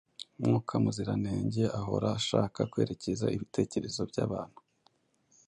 Mwuka Muziranenge ahora ashaka kwerekeza ibitekerezo by’abantu